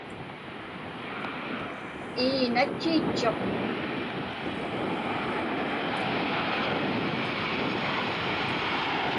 Ii, natchiitchuq.